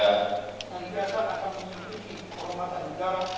dan ingin saya menunjuk tinggi kehormatan negara